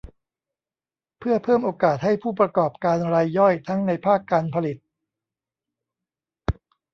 เพื่อเพิ่มโอกาสให้ผู้ประกอบการรายย่อยทั้งในภาคการผลิต